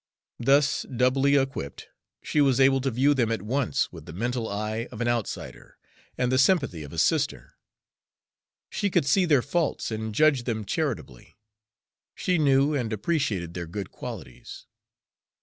Thus doubly equipped, she was able to view them at once with the mental eye of an outsider and the sympathy of a sister: she could see their faults, and judge them charitably; she knew and appreciated their good qualities.